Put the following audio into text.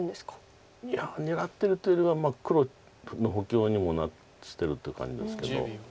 いや狙ってるというよりは黒の補強にもしてるって感じですけど。